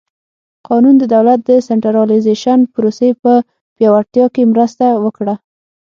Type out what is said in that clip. قانون د دولت د سنټرالیزېشن پروسې په پیاوړتیا کې مرسته وکړه.